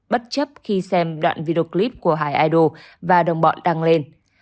bất chấp khi xem đoạn video clip của hải idol và đồng bọn đang lên